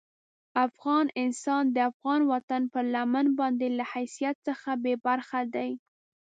افغان انسان د افغان وطن پر لمن باندې له حیثیت څخه بې برخې دي.